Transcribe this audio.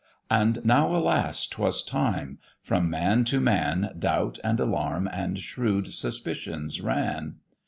And now, alas! 'twas time: from man to man Doubt and alarm and shrewd suspicions ran.